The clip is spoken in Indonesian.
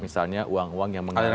misalnya uang uang yang mengalir lewat